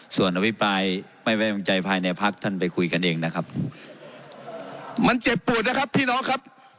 ส่วนอภิปรายไม่ไว้วางใจภายในพักท่านไปคุยกันเองนะครับมันเจ็บปวดนะครับพี่น้องครับ